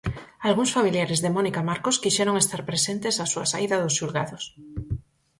Algúns familiares de Mónica Marcos quixeron estar presentes á súa saída dos xulgados.